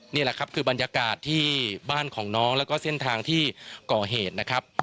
นี่แหละครับคือบรรยากาศที่บ้านของน้องแล้วก็เส้นทางที่ก่อเหตุนะครับ